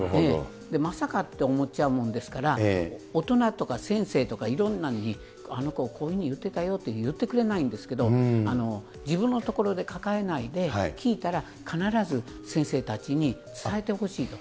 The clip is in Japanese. まさかと思っちゃうもんですから、大人とか先生とかいろんなのに、あの子、こういうふうに言ってたよって言ってくれないんで、自分のところで抱えないで、聞いたら必ず先生たちに伝えてほしいと。